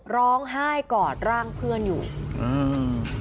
ร้องไห้กอดร่างเพื่อนอยู่อืม